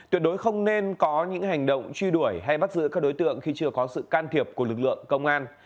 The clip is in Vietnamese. tuyệt đối không nên có những hành động truy đuổi hay bắt giữ các đối tượng khi chưa có sự can thiệp của lực lượng công an